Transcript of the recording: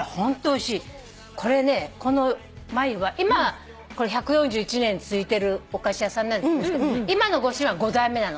これねこのまゆは１４１年続いてるお菓子屋さんなんですけど今のご主人は５代目なの。